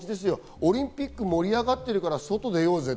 オリンピック、盛り上がってるから外出ようぜって。